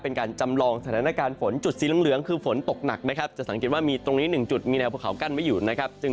เป็นการจำลองสถานการณ์ฝนจุดสีเหลืองคือฝนตกหนักนะครับจะสังเกตว่ามีตรงนี้หนึ่งจุดมีแววภูเขากั้นไว้อยู่นะครับ